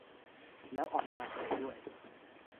แล้วออกมาสวยด้วย